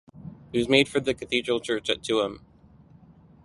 It was made for the Cathedral church at Tuam.